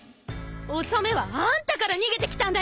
お染はあんたから逃げてきたんだよ！